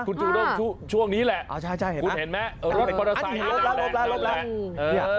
คุณจุด้มช่วงนี้แหละคุณเห็นไหมรถประดาษัยล้มแล้ว